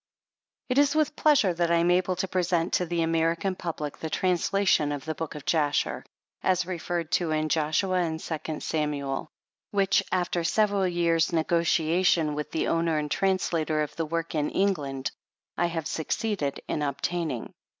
It is with pleasure that I am able to present to the American public the translation of the Book of Jasher, as referred to in Joshua and Second Samuel, which, after several years' negotiation with the owner and trans lator of the work in England, I have succeeded in obtaining.